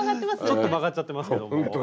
ちょっと曲がっちゃってますけども。